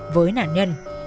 với nạn nhân